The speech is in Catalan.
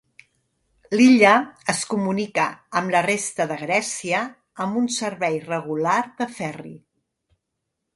L'illa es comunica amb la resta de Grècia amb un servei regular de ferri.